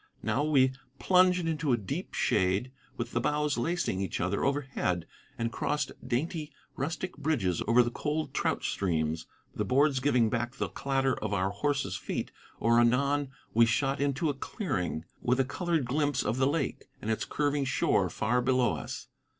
Now we, plunged into a deep shade with the boughs lacing each other overhead, and crossed dainty, rustic bridges over the cold trout streams, the boards giving back the clatter of our horses' feet: or anon we shot into a clearing, with a colored glimpse of the lake and its curving shore far below us.